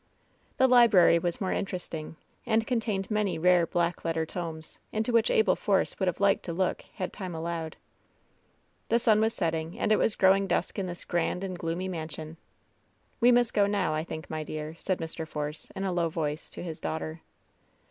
The library was more interesting, and contained many rare black letter tomes, into which Abel Force would have liked to look, had time allowed. 888 LOVE'S BITTEREST CUP The sun was setting and it was growing dusk in this grand and gloomy mansion. "We must go now, I think, my dear,^^ said Mr. Force, in a low voice, to his daughter.